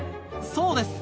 そうです！